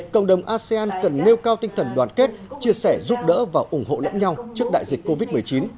cộng đồng asean cần nêu cao tinh thần đoàn kết chia sẻ giúp đỡ và ủng hộ lẫn nhau trước đại dịch covid một mươi chín